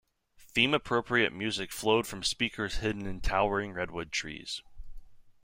Theme-appropriate music flowed from speakers hidden in towering redwood trees.